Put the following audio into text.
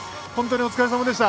お疲れさまでした。